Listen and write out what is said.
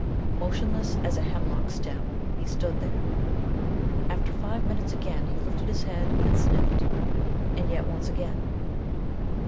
Motionless as a hemlock stem he stood there. After five minutes again he lifted his head and sniffed, and yet once again.